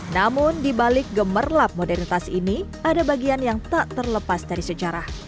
namun dibalik gemerlap modernitas ini ada bagian yang tak terlepas dari sejarah